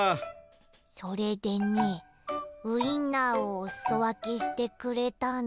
それでねウインナーをおすそわけしてくれたの。